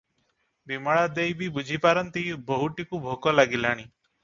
ବିମଳା ଦେଈ ବି ବୁଝି ପାରନ୍ତି ବୋହୂଟିକୁ ଭୋକ ଲାଗିଲାଣି ।